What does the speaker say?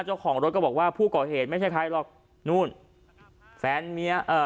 เจ้าของรถก็บอกว่าผู้ก่อเหตุไม่ใช่ใครหรอกนู่นแฟนเมียเอ่อ